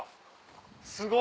すごい。